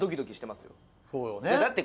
そうよね。